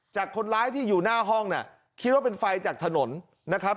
จากคนร้ายที่อยู่หน้าห้องน่ะคิดว่าเป็นไฟจากถนนนะครับ